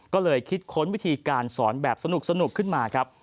ก็เลยคิดค้นวิธีการสอนแบบสนุกขึ้นมาครับ